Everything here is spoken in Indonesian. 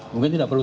mungkin tidak perlu